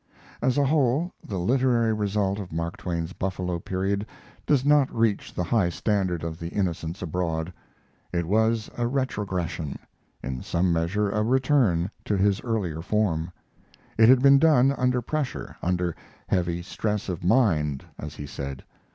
As a whole, the literary result of Mark Twain's Buffalo period does not reach the high standard of The Innocents Abroad. It was a retrogression in some measure a return to his earlier form. It had been done under pressure, under heavy stress of mind, as he said.